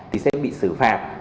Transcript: thì sẽ bị xử phạt